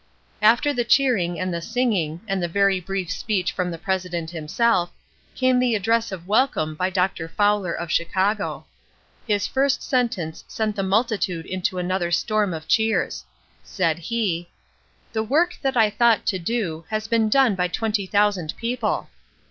After the cheering and the singing, and the very brief speech from the president himself, came the address of welcome by Dr. Fowler of Chicago. His first sentence sent the multitude into another storm of cheers. Said he: "The work that I thought to do, has been done by twenty thousand people."